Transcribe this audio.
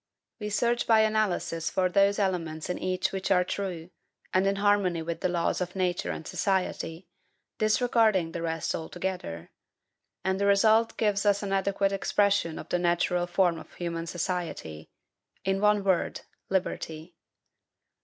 We search by analysis for those elements in each which are true, and in harmony with the laws of Nature and society, disregarding the rest altogether; and the result gives us an adequate expression of the natural form of human society, in one word, liberty.